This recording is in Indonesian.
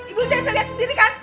ibu ida bisa liat sendiri kan